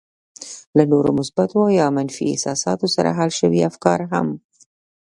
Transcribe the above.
له نورو مثبتو او يا منفي احساساتو سره حل شوي افکار هم.